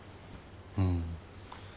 うん。